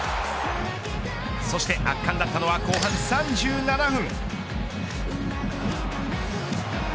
そして圧巻だったのは後半３７分。